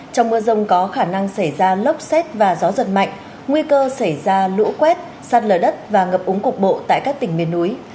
trong mưa rông có khả năng xảy ra lốc xét và gió giật mạnh nguy cơ xảy ra lũ quét sạt lở đất và ngập úng cục bộ tại các tỉnh miền núi